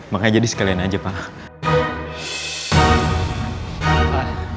makanya jadi sekalian aja pak